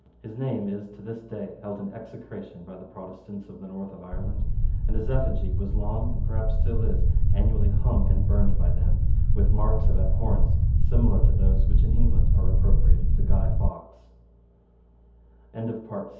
His name is, to this day, held in execration by the Protestants of the North of Ireland; and his effigy was long, and perhaps still is, annually hung and burned by them with marks of abhorrence similar to those which in England are appropriated t